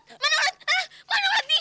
di di ulet ada ulet